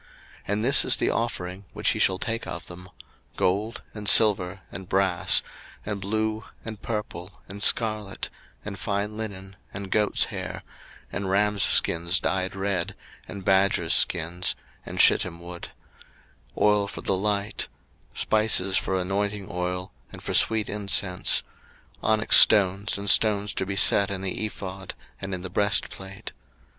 02:025:003 And this is the offering which ye shall take of them; gold, and silver, and brass, 02:025:004 And blue, and purple, and scarlet, and fine linen, and goats' hair, 02:025:005 And rams' skins dyed red, and badgers' skins, and shittim wood, 02:025:006 Oil for the light, spices for anointing oil, and for sweet incense, 02:025:007 Onyx stones, and stones to be set in the ephod, and in the breastplate.